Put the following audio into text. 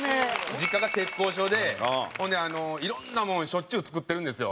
実家が鉄工所でほんでいろんなもんしょっちゅう作ってるんですよ。